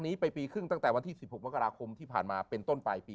นี้ไปปีครึ่งตั้งแต่วันที่๑๖มกราคมที่ผ่านมาเป็นต้นปลายปี